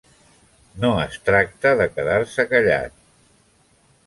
No es tracta de quedar-se callat.